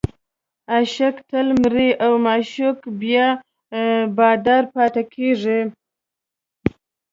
عاشق تل مریی او معشوق بیا بادار پاتې کېږي.